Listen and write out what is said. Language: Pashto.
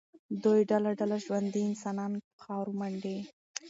دوی ډله ډله ژوندي انسانان په خاورو منډي.